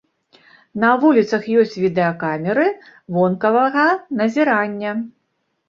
На вуліцах ёсць відэакамеры вонкавага назірання.